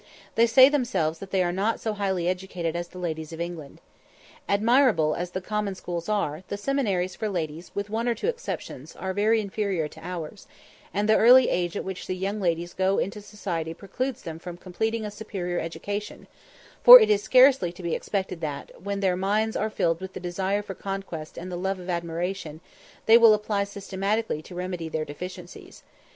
They say themselves that they are not so highly educated as the ladies of England. Admirable as the common schools are, the seminaries for ladies, with one or two exceptions, are very inferior to ours, and the early age at which the young ladies go into society precludes them from completing a superior education; for it is scarcely to be expected that, when their minds are filled with the desire for conquest and the love of admiration, they will apply systematically to remedy their deficiencies.